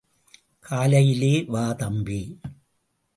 காலையிலே வா தம்பி!